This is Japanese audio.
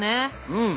うん。